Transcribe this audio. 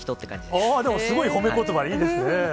でもすごい褒めことば、いいですね。